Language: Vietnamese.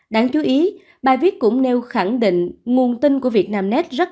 đáng chú ý bài viết cũng nêu khẳng định nguồn tin của việt nam net